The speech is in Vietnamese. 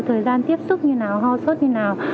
thời gian tiếp xúc như nào ho sốt như nào